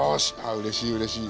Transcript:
うれしいうれしい。